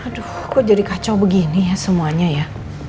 aduh kok jadi kacau begini ya semuanya ya